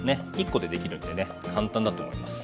１コでできるんでね簡単だと思います。